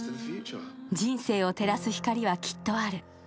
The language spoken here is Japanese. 人生を照らす光はきっとある。